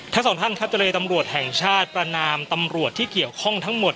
ทั้งสองท่านครับเจรตำรวจแห่งชาติประนามตำรวจที่เกี่ยวข้องทั้งหมด